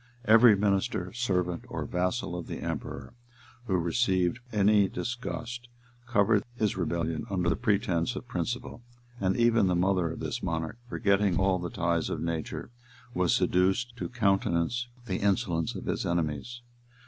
Every minister, servant, or vassal of the emperor, who received any disgust, covered his rebellion under the pretence of principle; and even the mother of this monarch, forgetting all the ties of nature, was seduced to countenance the insolence of his enemies.